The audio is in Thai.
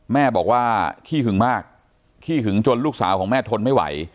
แม่บอกว่าขี้หึงมากขี้หึงจนลูกสาวของแม่ทนไม่ไหว